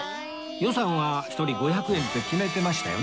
予算は１人５００円って決めてましたよね